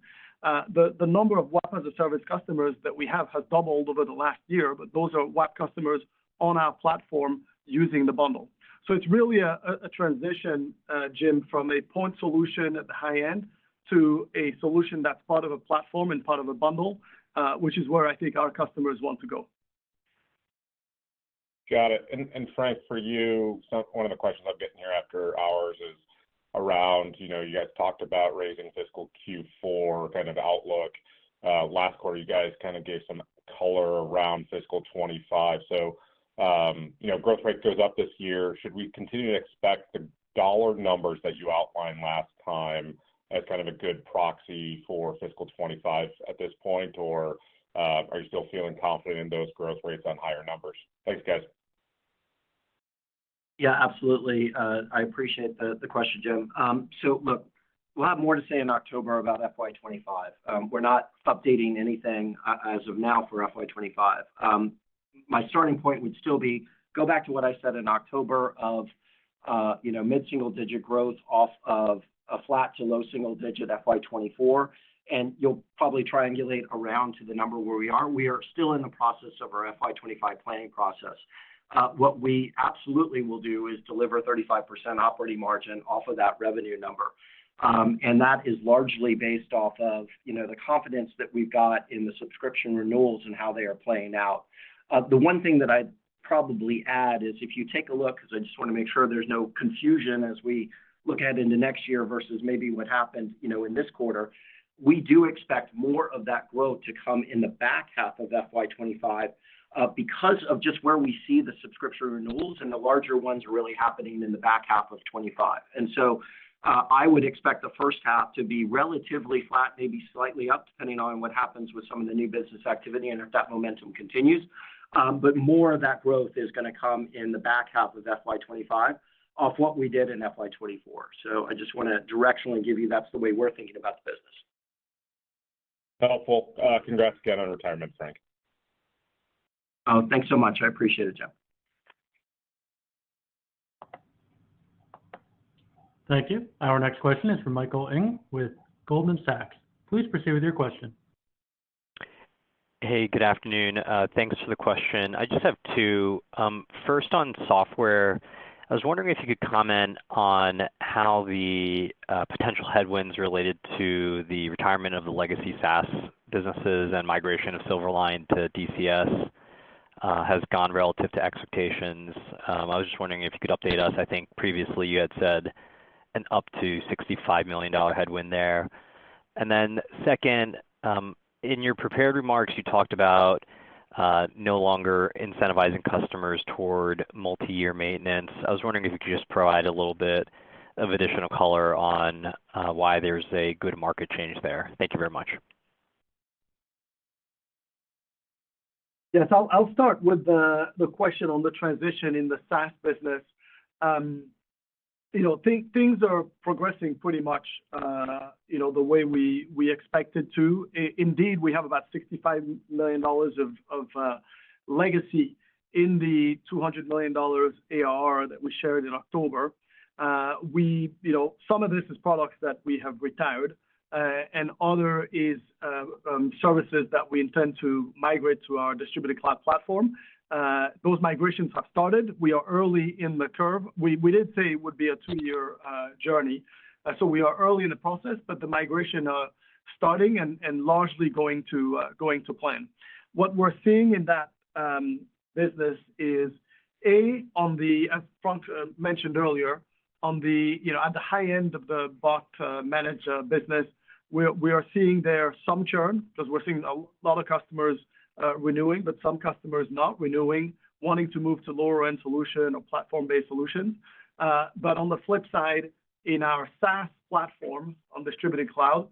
the number of WAF as a Service customers that we have has doubled over the last year, but those are WAF customers on our platform using the bundle. So it's really a transition, Jim, from a point solution at the high end to a solution that's part of a platform and part of a bundle, which is where I think our customers want to go. Got it. And Frank, for you, so one of the questions I'm getting here after hours is around, you know, you guys talked about raising fiscal Q4 kind of outlook. Last quarter, you guys kind of gave some color around fiscal 2025. So, you know, growth rate goes up this year. Should we continue to expect the dollar numbers that you outlined last time as kind of a good proxy for fiscal 2025 at this point? Or, are you still feeling confident in those growth rates on higher numbers? Thanks, guys. Yeah, absolutely. I appreciate the question, Jim. So look, we'll have more to say in October about FY 25. We're not updating anything as of now for FY 25. My starting point would still be, go back to what I said in October of, you know, mid-single digit growth off of a flat to low single digit FY 24, and you'll probably triangulate around to the number where we are. We are still in the process of our FY 25 planning process. What we absolutely will do is deliver 35% operating margin off of that revenue number. And that is largely based off of, you know, the confidence that we've got in the subscription renewals and how they are playing out. The one thing that I'd probably add is, if you take a look, because I just want to make sure there's no confusion as we look ahead into next year versus maybe what happened, you know, in this quarter, we do expect more of that growth to come in the back half of FY 2025, because of just where we see the subscription renewals and the larger ones really happening in the back half of 2025. And so, I would expect the first half to be relatively flat, maybe slightly up, depending on what happens with some of the new business activity and if that momentum continues. But more of that growth is gonna come in the back half of FY 2025, off what we did in FY 2024. So I just want to directionally give you. That's the way we're thinking about the business. Helpful. Congrats again on retirement, Frank. Oh, thanks so much. I appreciate it, Jim. Thank you. Our next question is from Michael Ng with Goldman Sachs. Please proceed with your question. Hey, good afternoon. Thanks for the question. I just have two. First, on software, I was wondering if you could comment on how the potential headwinds related to the retirement of the legacy SaaS businesses and migration of Silverline to DCS has gone relative to expectations. I was just wondering if you could update us. I think previously you had said an up to $65 million headwind there. And then second, in your prepared remarks, you talked about no longer incentivizing customers toward multi-year maintenance. I was wondering if you could just provide a little bit of additional color on why there's a good market change there. Thank you very much. Yes, I'll start with the question on the transition in the SaaS business. You know, things are progressing pretty much, you know, the way we expect it to. Indeed, we have about $65 million of legacy in the $200 million ARR that we shared in October. You know, some of this is products that we have retired, and other is services that we intend to migrate to our distributed cloud platform. Those migrations have started. We are early in the curve. We did say it would be a two-year journey, so we are early in the process, but the migration are starting and largely going to plan. What we're seeing in that business is, A, on the, as Frank mentioned earlier, on the, you know, at the high end of the bot management business, we are seeing there some churn, because we're seeing a lot of customers renewing, but some customers not renewing, wanting to move to lower-end solution or platform-based solutions. But on the flip side, in our SaaS platform, on Distributed Cloud,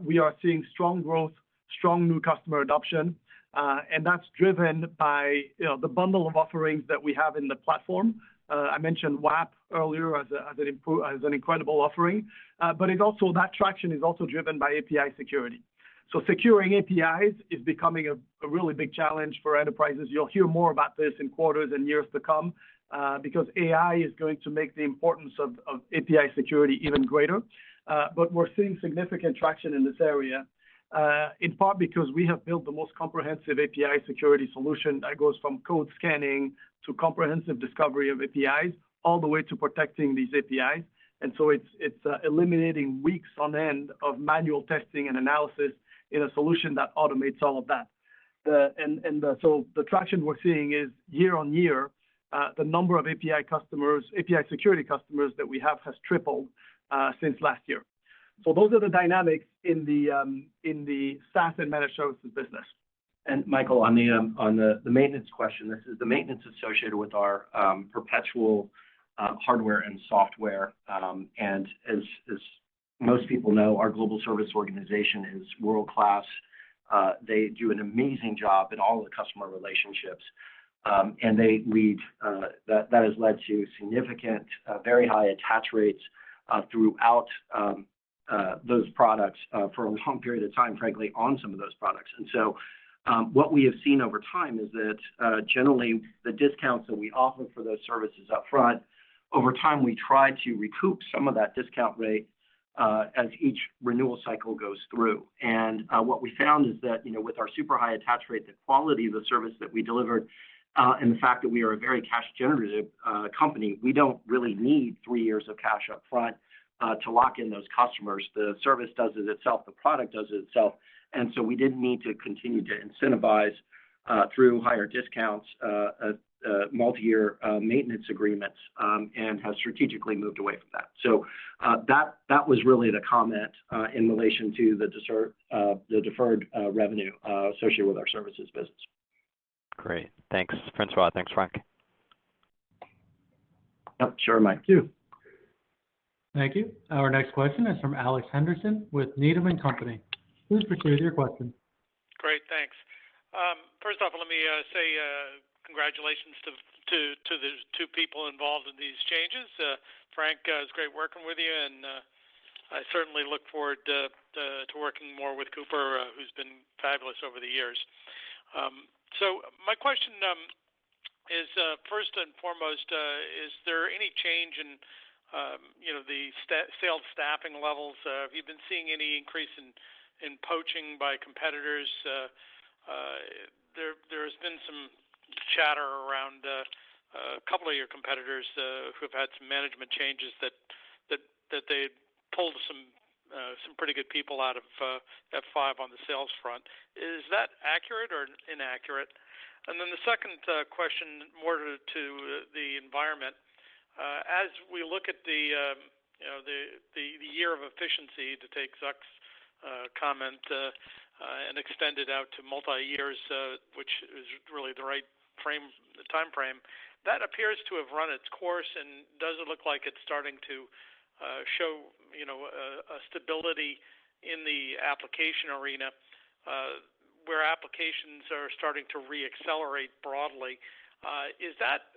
we are seeing strong growth, strong new customer adoption, and that's driven by, you know, the bundle of offerings that we have in the platform. I mentioned WAP earlier as an incredible offering, but it's also, that traction is also driven by API security. So securing APIs is becoming a really big challenge for enterprises. You'll hear more about this in quarters and years to come, because AI is going to make the importance of API security even greater. But we're seeing significant traction in this area, in part because we have built the most comprehensive API security solution that goes from code scanning to comprehensive discovery of APIs, all the way to protecting these APIs. And so it's eliminating weeks on end of manual testing and analysis in a solution that automates all of that. And so the traction we're seeing is year-on-year, the number of API customers, API security customers that we have has tripled since last year. So those are the dynamics in the SaaS and managed services business. And Michael, on the maintenance question, this is the maintenance associated with our perpetual hardware and software. And as most people know, our global service organization is world-class. They do an amazing job in all of the customer relationships, and they lead... That has led to significant very high attach rates throughout those products for a long period of time, frankly, on some of those products. And so, what we have seen over time is that generally, the discounts that we offer for those services up front, over time, we try to recoup some of that discount rate as each renewal cycle goes through. What we found is that, you know, with our super high attach rate, the quality of the service that we deliver, and the fact that we are a very cash-generative company, we don't really need three years of cash up front to lock in those customers. The service does it itself, the product does it itself, and so we didn't need to continue to incentivize through higher discounts, multiyear maintenance agreements, and have strategically moved away from that. So, that was really the comment in relation to the Deferred Revenue associated with our services business. Great. Thanks, François. Thanks, Frank. Yep, sure, Mike. Thank you. Our next question is from Alex Henderson with Needham & Company. Please proceed with your question. Great, thanks. First off, let me say congratulations to the two people involved in these changes. Frank, it's great working with you, and I certainly look forward to working more with Cooper, who's been fabulous over the years. So my question is first and foremost, is there any change in, you know, the sales staffing levels? Have you been seeing any increase in poaching by competitors? There has been some chatter around a couple of your competitors who have had some management changes that they pulled some pretty good people out of F5 on the sales front. Is that accurate or inaccurate? And then the second question, more to the environment. As we look at the, you know, the year of efficiency, to take Zuck's comment, and extend it out to multiyears, which is really the right time frame, that appears to have run its course, and does it look like it's starting to show, you know, a stability in the application arena, where applications are starting to reaccelerate broadly? Is that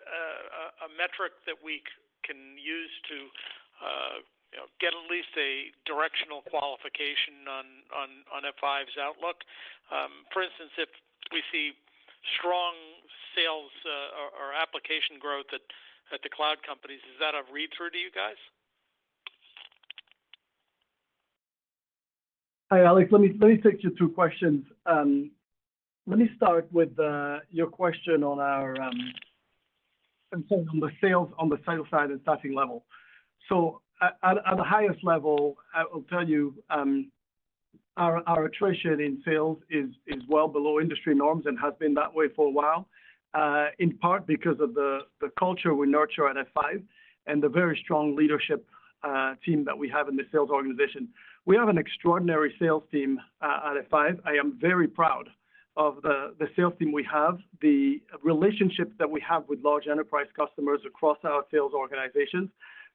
a metric that we can use to, you know, get at least a directional qualification on F5's outlook? For instance, if we see strong sales or application growth at the cloud companies, is that a read-through to you guys? Hi, Alex. Let me, let me take you through questions. Let me start with your question on our on the sales, on the sales side and staffing level. So at the highest level, I will tell you our attrition in sales is well below industry norms and has been that way for a while, in part because of the culture we nurture at F5 and the very strong leadership team that we have in the sales organization. We have an extraordinary sales team at F5. I am very proud of the sales team we have, the relationships that we have with large enterprise customers across our sales organizations,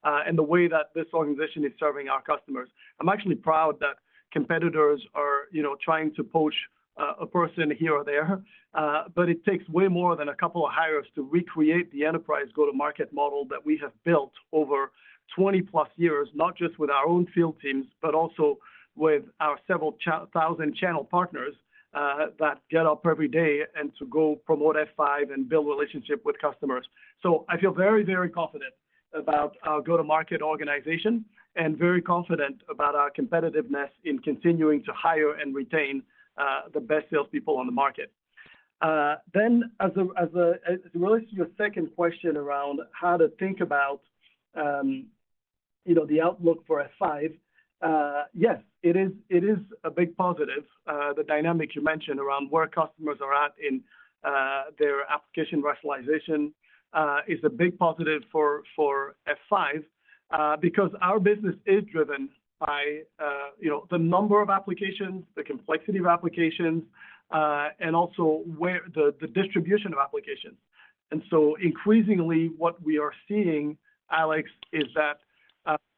and the way that this organization is serving our customers. I'm actually proud that competitors are, you know, trying to poach a person here or there, but it takes way more than a couple of hires to recreate the enterprise go-to-market model that we have built over 20+ years, not just with our own field teams, but also with our several thousand channel partners that get up every day and to go promote F5 and build relationship with customers. So I feel very, very confident about our go-to-market organization and very confident about our competitiveness in continuing to hire and retain the best salespeople on the market. Then, as it relates to your second question around how to think about, you know, the outlook for F5, yes, it is, it is a big positive, the dynamics you mentioned around where customers are at in their application rationalization, is a big positive for F5, because our business is driven by, you know, the number of applications, the complexity of applications, and also where the distribution of applications. And so increasingly, what we are seeing, Alex, is that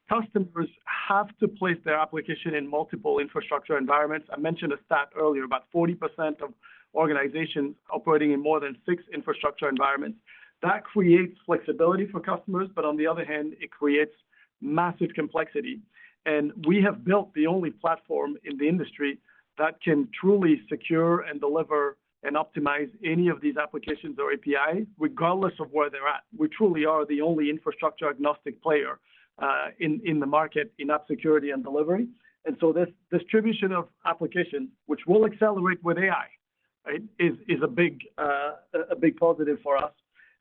customers have to place their application in multiple infrastructure environments. I mentioned a stat earlier, about 40% of organizations operating in more than six infrastructure environments. That creates flexibility for customers, but on the other hand, it creates massive complexity. And we have built the only platform in the industry that can truly secure and deliver and optimize any of these applications or API, regardless of where they're at. We truly are the only infrastructure-agnostic player in the market in app security and delivery. And so this distribution of applications, which will accelerate with AI, right, is a big positive for us.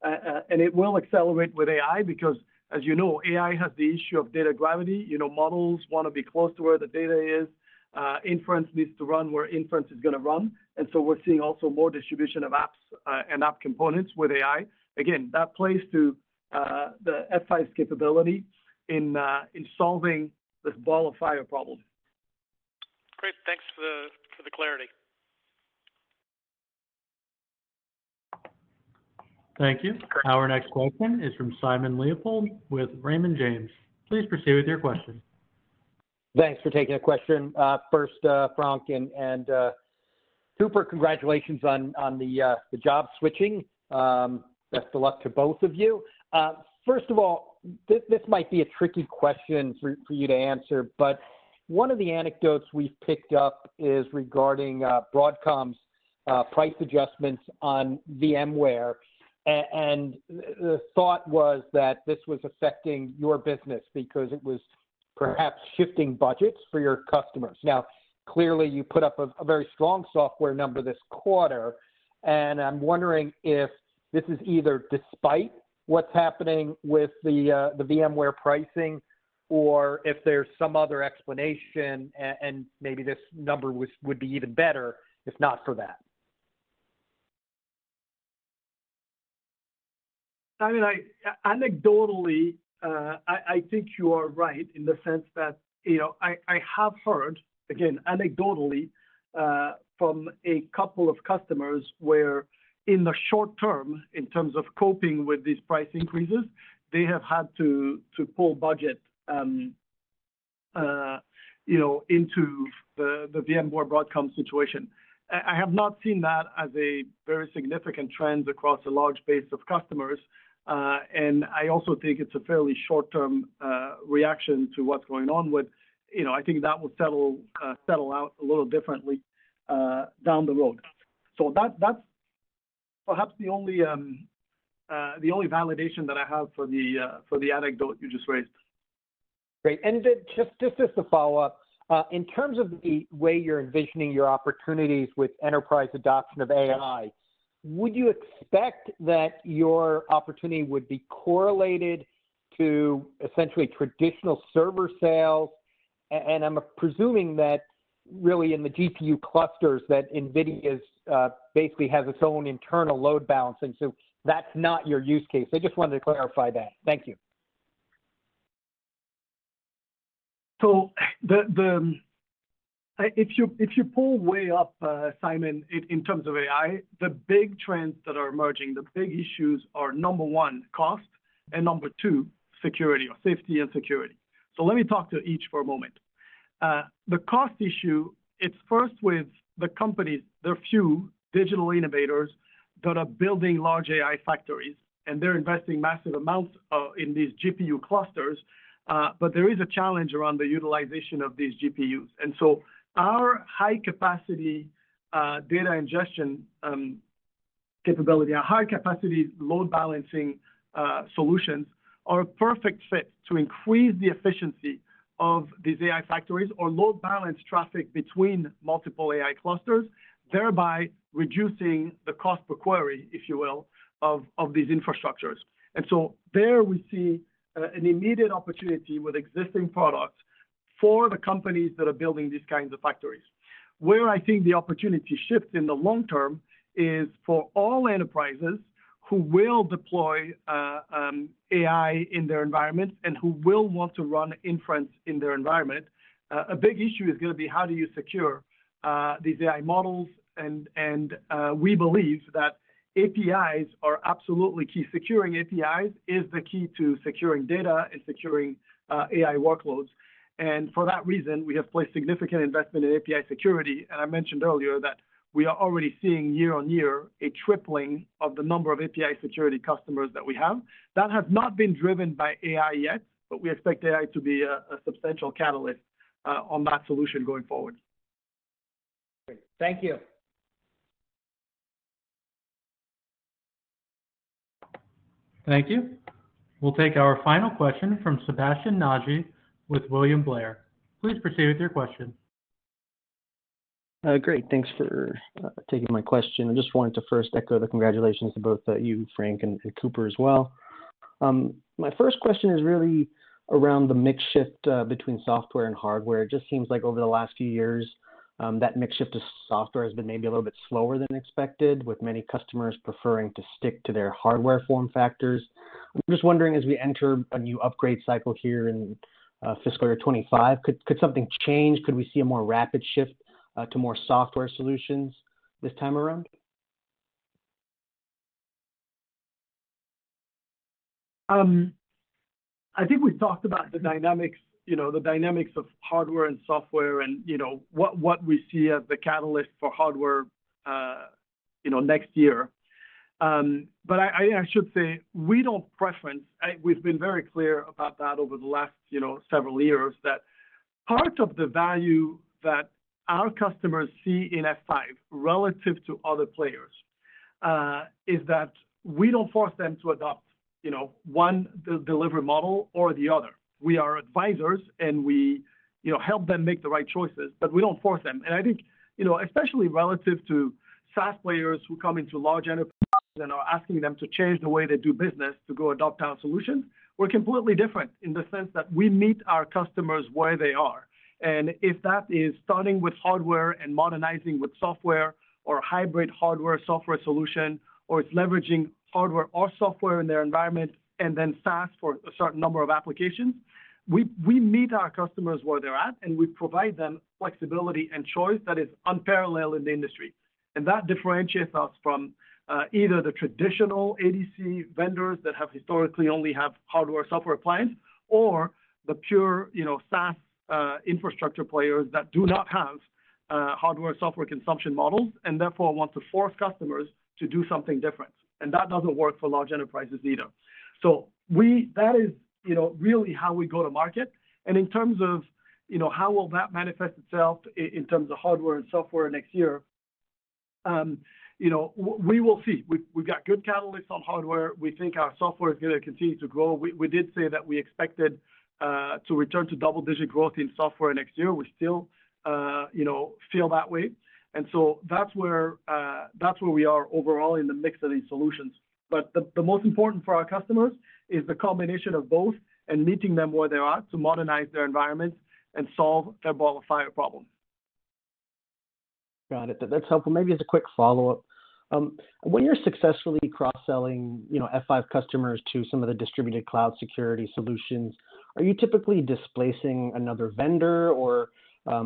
And it will accelerate with AI because, as you know, AI has the issue of data gravity. You know, models want to be close to where the data is, inference needs to run where inference is going to run. And so we're seeing also more distribution of apps and app components with AI. Again, that plays to the F5 capability in solving this ball of fire problem. Great. Thanks for the clarity. Thank you. Our next question is from Simon Leopold with Raymond James. Please proceed with your question. Thanks for taking a question. First, Frank, super congratulations on the job switching. Best of luck to both of you. First of all, this might be a tricky question for you to answer, but one of the anecdotes we've picked up is regarding Broadcom's price adjustments on VMware. And the thought was that this was affecting your business because it was perhaps shifting budgets for your customers. Now, clearly, you put up a very strong software number this quarter, and I'm wondering if this is either despite what's happening with the VMware pricing, or if there's some other explanation and maybe this number would be even better, if not for that. I mean, anecdotally, I think you are right in the sense that, you know, I have heard, again, anecdotally, from a couple of customers, where in the short term, in terms of coping with these price increases, they have had to pull budget, you know, into the VMware Broadcom situation. I have not seen that as a very significant trend across a large base of customers, and I also think it's a fairly short-term reaction to what's going on with... You know, I think that will settle out a little differently down the road. So that's perhaps the only validation that I have for the anecdote you just raised. Great. And just as a follow-up, in terms of the way you're envisioning your opportunities with enterprise adoption of AI, would you expect that your opportunity would be correlated to essentially traditional server sales? And I'm presuming that really in the GPU clusters, that NVIDIA basically has its own internal load balancing, so that's not your use case. I just wanted to clarify that. Thank you. So, if you pull way up, Simon, in terms of AI, the big trends that are emerging, the big issues are, number one, cost, and number two, security, or safety and security. So let me talk to each for a moment. The cost issue, it's first with the companies, there are few digital innovators that are building large AI factories, and they're investing massive amounts in these GPU clusters. But there is a challenge around the utilization of these GPUs. And so our high-capacity data ingestion capability, our high-capacity load balancing solutions are a perfect fit to increase the efficiency of these AI factories or load balance traffic between multiple AI clusters, thereby reducing the cost per query, if you will, of these infrastructures. So there we see an immediate opportunity with existing products for the companies that are building these kinds of factories. Where I think the opportunity shifts in the long term is for all enterprises who will deploy AI in their environments and who will want to run inference in their environment. A big issue is going to be: How do you secure these AI models? We believe that APIs are absolutely key. Securing APIs is the key to securing data and securing AI workloads. And for that reason, we have placed significant investment in API security. I mentioned earlier that we are already seeing year-over-year a tripling of the number of API security customers that we have. That has not been driven by AI yet, but we expect AI to be a substantial catalyst on that solution going forward. Great. Thank you. Thank you. We'll take our final question from Sebastien Naji with William Blair. Please proceed with your question. Great, thanks for taking my question. I just wanted to first echo the congratulations to both you, Frank, and Cooper as well. My first question is really around the mix shift between software and hardware. It just seems like over the last few years, that mix shift to software has been maybe a little bit slower than expected, with many customers preferring to stick to their hardware form factors. I'm just wondering, as we enter a new upgrade cycle here in fiscal year 2025, could something change? Could we see a more rapid shift to more software solutions this time around?... I think we talked about the dynamics, you know, the dynamics of hardware and software and, you know, what, what we see as the catalyst for hardware, you know, next year. But I should say, we don't preference-- we've been very clear about that over the last, you know, several years, that part of the value that our customers see in F5 relative to other players, is that we don't force them to adopt, you know, one de-delivery model or the other. We are advisors, and we, you know, help them make the right choices, but we don't force them. And I think, you know, especially relative to SaaS players who come into large enterprises and are asking them to change the way they do business to go adopt our solutions, we're completely different in the sense that we meet our customers where they are. And if that is starting with hardware and modernizing with software or hybrid hardware, software solution, or it's leveraging hardware or software in their environment, and then SaaS for a certain number of applications, we, we meet our customers where they're at, and we provide them flexibility and choice that is unparalleled in the industry. And that differentiates us from either the traditional ADC vendors that have historically only have hardware, software appliance, or the pure, you know, SaaS infrastructure players that do not have hardware, software consumption models, and therefore want to force customers to do something different. And that doesn't work for large enterprises either. So we – that is, you know, really how we go to market. And in terms of, you know, how will that manifest itself in terms of hardware and software next year, you know, we will see. We've got good catalysts on hardware. We think our software is gonna continue to grow. We did say that we expected to return to double-digit growth in software next year. We still, you know, feel that way. And so that's where that's where we are overall in the mix of these solutions. But the most important for our customers is the combination of both and meeting them where they are to modernize their environments and solve their ball of fire problem. Got it. That's helpful. Maybe as a quick follow-up, when you're successfully cross-selling, you know, F5 customers to some of the distributed cloud security solutions, are you typically displacing another vendor, or,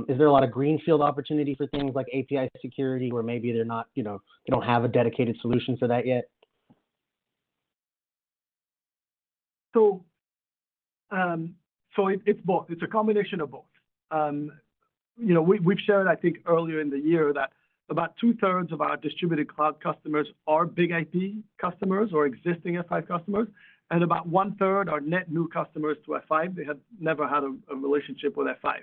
is there a lot of greenfield opportunity for things like API security, where maybe they're not, you know, they don't have a dedicated solution for that yet? So, it's both. It's a combination of both. You know, we've shared, I think, earlier in the year, that about two-thirds of our Distributed Cloud customers are big IT customers or existing F5 customers, and about one-third are net new customers to F5. They have never had a relationship with F5.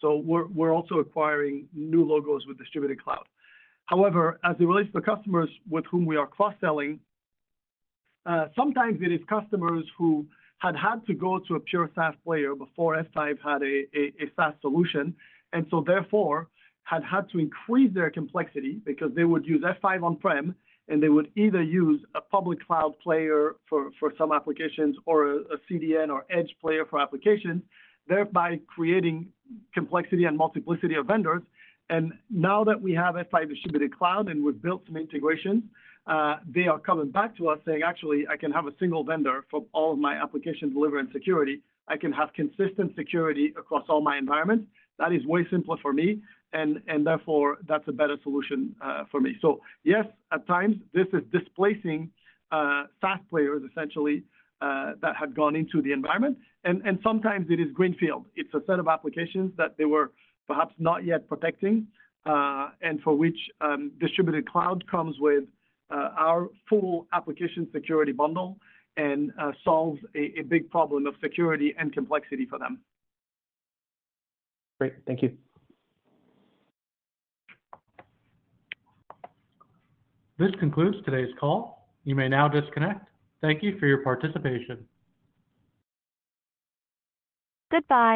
So we're also acquiring new logos with Distributed Cloud. However, as it relates to the customers with whom we are cross-selling, sometimes it is customers who had had to go to a pure SaaS player before F5 had a SaaS solution, and so therefore, had had to increase their complexity because they would use F5 on-prem, and they would either use a public cloud player for some applications or a CDN or edge player for application, thereby creating complexity and multiplicity of vendors. Now that we have F5 Distributed Cloud and we've built some integrations, they are coming back to us saying, "Actually, I can have a single vendor for all of my application delivery and security. I can have consistent security across all my environments. That is way simpler for me, and, and therefore, that's a better solution for me." So yes, at times this is displacing SaaS players, essentially, that have gone into the environment, and, and sometimes it is greenfield. It's a set of applications that they were perhaps not yet protecting, and for which, Distributed Cloud comes with our full application security bundle and solves a big problem of security and complexity for them. Great. Thank you. This concludes today's call. You may now disconnect. Thank you for your participation. Goodbye.